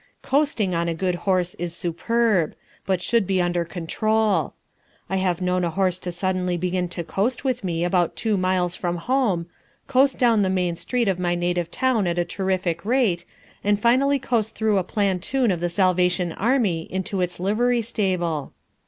Coasting on a good horse is superb, but should be under control. I have known a horse to suddenly begin to coast with me about two miles from home, coast down the main street of my native town at a terrific rate, and finally coast through a platoon of the Salvation Army into its livery stable.